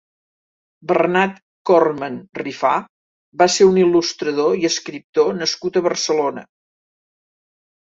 Bernat Cormand Rifà va ser un il·lustrador i escriptor nascut a Barcelona.